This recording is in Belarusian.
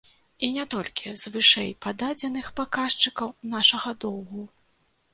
І не толькі з вышэйпададзеных паказчыкаў нашага доўгу.